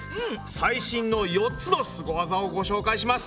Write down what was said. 最新の４つのスゴワザをご紹介します。